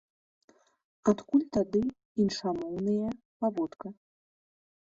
Адкуль тады іншамоўныя паводка?